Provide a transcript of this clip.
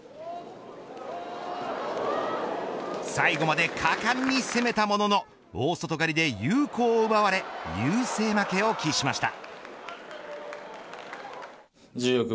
最後まで果敢に攻めたものの大外刈で有効を奪われ優勢負けを喫しました。